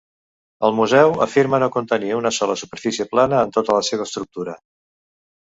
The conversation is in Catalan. El museu afirma no contenir una sola superfície plana en tota la seva estructura.